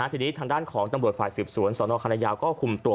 ทีนี้ทางด้านของตำรวจฝาศูนย์สคัณธยาวก็คุมตัว